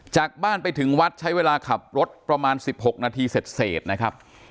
จากบ้านไปถึงวัดใช้เวลาขับรถประมาณ๑๖นาทีเสร็จนะครับ